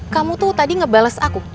kamu tuh tadi ngebales aku